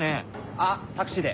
あっタクシーで。